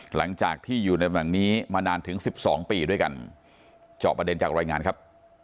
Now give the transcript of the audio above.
หลังจากที่อยู่ในตำแหน่งนี้มานานถึงสิบสองปีด้วยกันเจาะประเด็นจากรายงานครับ